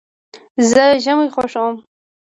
زه ژمی خوښوم.